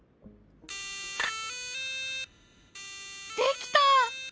できた！